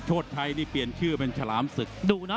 โชธไทยนี่เปลี่ยนชื่อเป็นสึกดุเนอะ